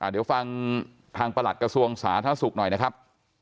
เดี๋ยวฟังทางประหลัดกระทรวงสาธารณสุขหน่อยนะครับ